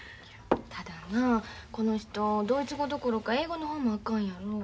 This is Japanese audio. ただなこの人ドイツ語どころか英語の方もあかんやろ。